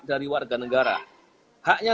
dari warga negara haknya